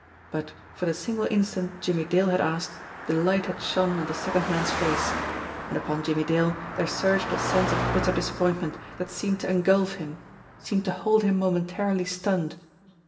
But, for the single instant Jimmie Dale had asked, the light had shone on the second man's face and upon Jimmie Dale there surged a sense of bitter disap pointment that seemed to engulf him, seemed to hold him JACKALS 205 momentarily stunned.